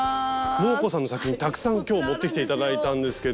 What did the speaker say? モー子さんの作品たくさん今日持ってきて頂いたんですけど。